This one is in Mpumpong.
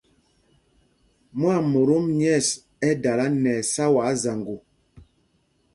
Mwâmotom nyɛ̂ɛs ɛ́ dala nɛ ɛsáwaa zaŋgo.